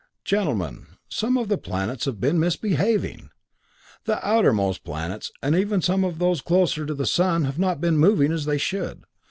"Gentlemen some of the planets have been misbehaving! The outermost planets, and even some of those closer to the sun have not been moving as they should.